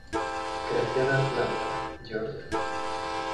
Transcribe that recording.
Creció en Atlanta, Georgia.